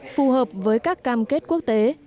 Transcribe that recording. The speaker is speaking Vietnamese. phù hợp với các cam kết quốc tế